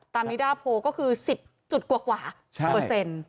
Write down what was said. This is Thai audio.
ตามนิดาโพก็คือ๑๐จุดกว่ากว่าเปอร์เซ็นต์